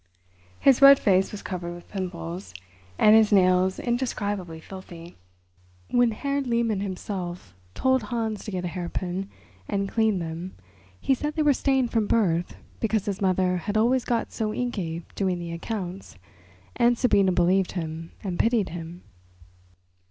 His red face was covered with pimples, and his nails indescribably filthy. When Herr Lehmann himself told Hans to get a hairpin and clean them he said they were stained from birth because his mother had always got so inky doing the accounts—and Sabina believed him and pitied him.